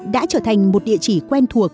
đã trở thành một địa chỉ quen thuộc